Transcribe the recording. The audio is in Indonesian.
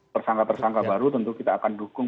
tersangka tersangka baru tentu kita akan dukung